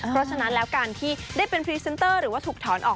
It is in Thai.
เพราะฉะนั้นแล้วการที่ได้เป็นพรีเซนเตอร์หรือว่าถูกถอนออก